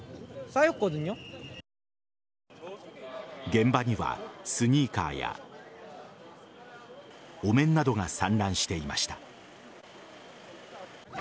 現場には、スニーカーやお面などが散乱していました。